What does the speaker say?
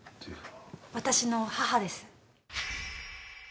私の母です。